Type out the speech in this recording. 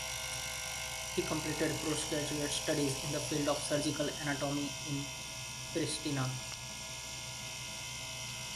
He completed postgraduate studies in the field of surgical anatomy in Pristina.